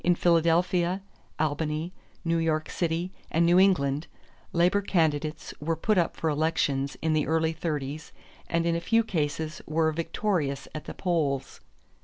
In Philadelphia, Albany, New York City, and New England, labor candidates were put up for elections in the early thirties and in a few cases were victorious at the polls.